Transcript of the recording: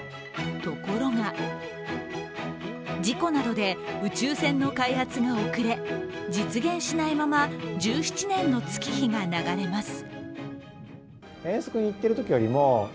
ところが事故などで、宇宙船の開発が遅れ、実現しないまま１７年の月日が流れます。